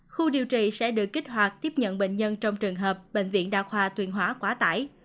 khu điều trị sẽ được kích hoạt tiếp nhận bệnh nhân trong trường hợp bệnh viện đạo hòa tuyên hóa quả tải